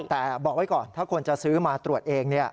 แต่บอกไว้ก่อนถ้าคนจะซื้อมาตรวจเอง